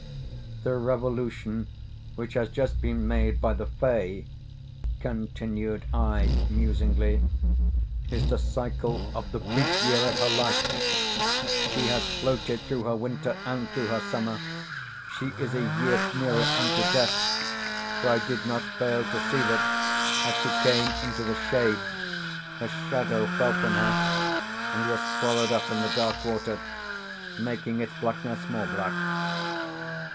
"The revolution which has just been made by the Fay," continued I, musingly, "is the cycle of the brief year of her life. She has floated through her winter and through her summer. She is a year nearer unto Death; for I did not fail to see that, as she came into the shade, her shadow fell from her, and was swallowed up in the dark water, making its blackness more black."